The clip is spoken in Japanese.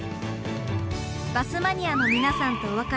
バスマニアの皆さんとお別れしたひむ